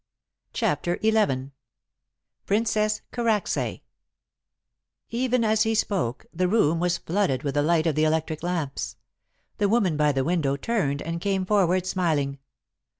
CHAPTER XI PRINCESS KARACSAY Even as he spoke the room was flooded with the light of the electric lamps. The woman by the window turned and came forward smiling.